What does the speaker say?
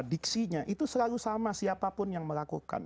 diksinya itu selalu sama siapapun yang melakukan